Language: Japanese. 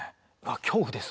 恐怖です